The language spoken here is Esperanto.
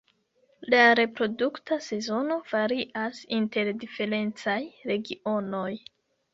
La reprodukta sezono varias inter diferencaj regionoj.